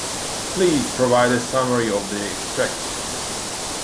Please provide a summary of the extract.